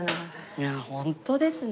いやホントですね。